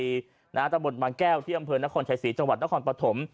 ตะบนบางแก้วที่อำเภอนครชายศรีจังหวัดนครปฐม